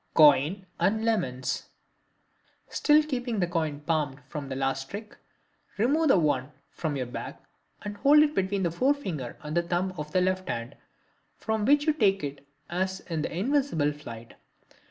Coin and Lemons.—Still keeping the coin palmed from the last trick, remove the one from your back and hold it between the forefinger and thumb of the left hand, from which you take it as in the "Invisible Flight."